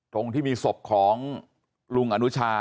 ตรงที่มีศพของลุงอนุชา